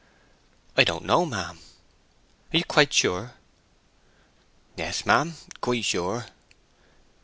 "I don't know, ma'am." "Are you quite sure?" "Yes, ma'am, quite sure."